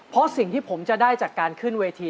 เพราะสิ่งที่ผมจะได้จากการขึ้นเวที